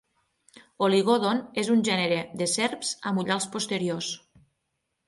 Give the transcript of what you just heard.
Oligodon és un gènere de serps amb ullals posteriors.